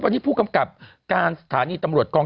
วันนี้ผู้กำกับการสถานีตำรวจกอง